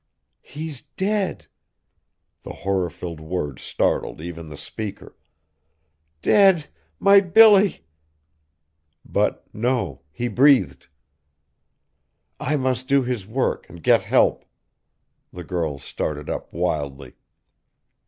"He's dead!" The horror filled words startled even the speaker. "Dead! my Billy!" But no, he breathed! "I must do his work, and get help!" the girl started up wildly.